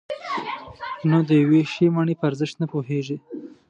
نو د یوې ښې مڼې په ارزښت نه پوهېږئ.